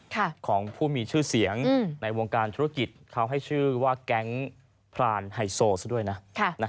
ของผู้มีชื่อเสียงในวงการธุรกิจเขาให้ชื่อว่าแก๊งพรานไฮโซซะด้วยนะ